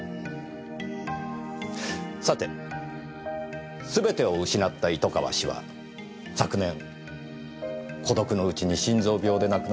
さてすべてを失った糸川氏は昨年孤独のうちに心臓病で亡くなります。